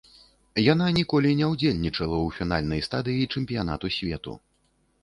Яна ніколі не ўдзельнічала ў фінальнай стадыі чэмпіянату свету.